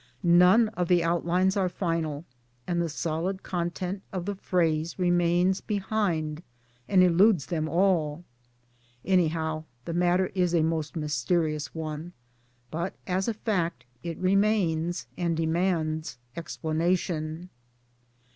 None of the outlines are final, and the solid content of the phrase remains behind and eludes them all. Anyhow the matter is a most mysterious one ; but as a fact it remains, and demands explanation.